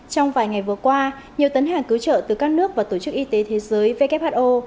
trong vài ngày vừa qua nhiều tấn hàng cứu trợ từ các nước và tổ chức y tế thế giới who